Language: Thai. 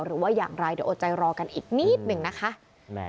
หรือว่าอย่างไรเดี๋ยวอดใจรอกันอีกนิดหนึ่งนะคะ